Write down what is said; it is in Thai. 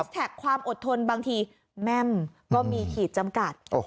แท็กความอดทนบางทีแม่มก็มีขีดจำกัด